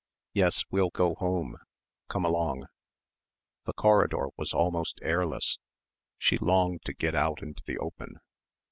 "Yes, we'll go home, come along." The corridor was almost airless. She longed to get out into the open.